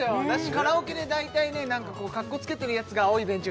カラオケでだいたいねかっこつけてるやつが「青いベンチ」